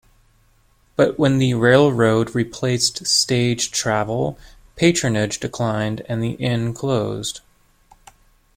But when the railroad replaced stage travel, patronage declined and the inn closed.